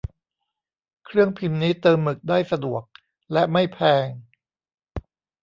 เครื่องพิมพ์นี้เติมหมึกได้สะดวกและไม่แพง